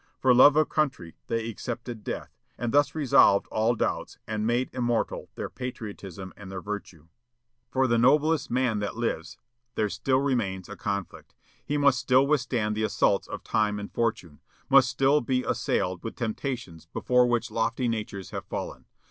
For love of country they accepted death, and thus resolved all doubts, and made immortal their patriotism and their virtue. "For the noblest man that lives there still remains a conflict. He must still withstand the assaults of time and fortune; must still be assailed with temptations before which lofty natures have fallen.